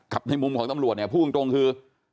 ในมุมของตำรวจเนี่ยพูดตรงคือ